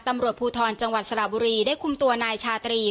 ตำรวจภูทรจังหวัดสระบุรีได้คุมตัวนายชาตรี